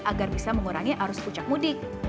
agar bisa mengurangi arus puncak mudik